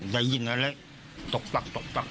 ได้ยินอะไรตกปักตกปัก